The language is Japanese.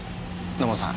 土門さん